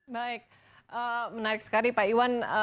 baik menarik sekali pak iwan